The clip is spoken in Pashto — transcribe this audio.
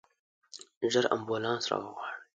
ژر امبولانس راوغواړئ.